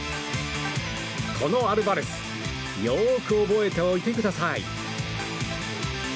このアルバレスよく覚えておいてください。